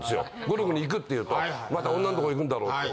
ゴルフに行くって言うとまた女のとこに行くんだろって。